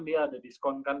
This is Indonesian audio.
dia ada diskon kan